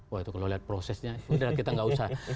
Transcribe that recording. wah itu kalau lihat prosesnya sudah kita nggak usah